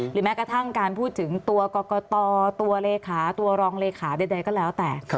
แม้กระทั่งการพูดถึงตัวกรกตตัวเลขาตัวรองเลขาใดก็แล้วแต่